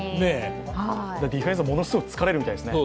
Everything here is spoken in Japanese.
ディフェンスはものすごく疲れるみたいですね。